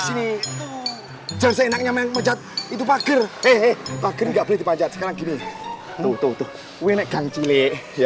ini jelas enaknya menjatuhi itu pager hehehe pager nggak berjaya sekarang gini